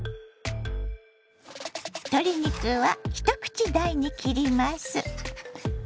鶏肉は一口大に切ります。